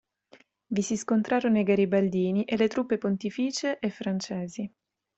Vi si scontrarono i garibaldini e le truppe pontificie e francesi.